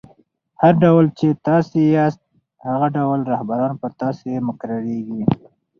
هر ډول، چي تاسي یاست؛ هغه ډول رهبران پر تاسي مقررېږي.